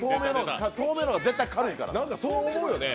透明の方が絶対軽いから。